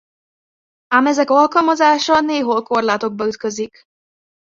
Ám ezek alkalmazása néhol korlátokba ütközik.